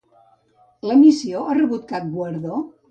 L'emissió ha rebut cap guardó?